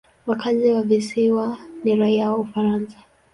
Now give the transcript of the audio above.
Wakazi wa visiwa ni raia wa Ufaransa.